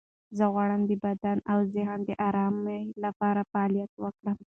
زه غواړم د بدن او ذهن د آرامۍ لپاره فعالیت وکړم.